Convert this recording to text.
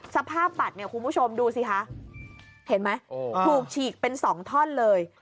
สภาพบัตรเนี่ยคุณผู้ชมดูสิคะเห็นไหมถูกฉีกเป็น๒ท่อนเลย